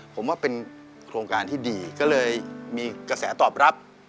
ผมว่าเป็นโครงการที่ดีก็เลยมีกระแสตอบรับ